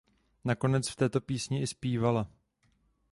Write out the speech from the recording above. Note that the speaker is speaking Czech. Nakonec v této písni i zpívala.